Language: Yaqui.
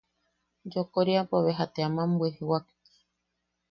Yokoriapo beja te aman bwijwak.